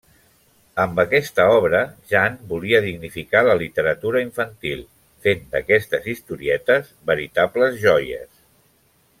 Amb aquesta obra, Jan volia dignificar la literatura infantil, fent d'aquestes historietes veritables joies.